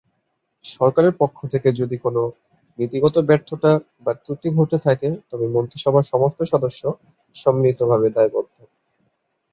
সরকারের পক্ষ থেকে যদি কোনও নীতিগত ব্যর্থতা বা ত্রুটি ঘটে থাকে তবে মন্ত্রিসভার সমস্ত সদস্য সম্মিলিতভাবে দায়বদ্ধ।